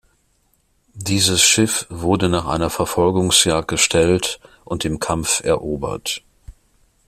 Dieses Schiff wurde nach einer Verfolgungsjagd gestellt und im Kampf erobert.